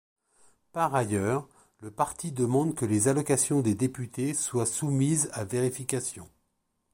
Par ailleurs, le parti demande que les allocations des députés soient soumises à vérification.